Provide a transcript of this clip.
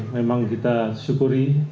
memang kita syukuri